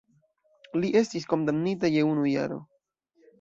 Li estis kondamnita je unu jaro.